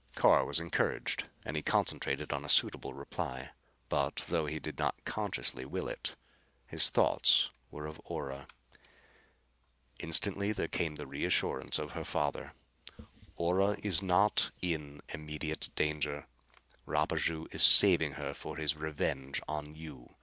Carr was encouraged and he concentrated on a suitable reply. But, though he did not consciously will it, his thoughts were of Ora. Instantly there came the reassurance of her father. "Ora is not in immediate danger. Rapaju is saving her for his revenge on you.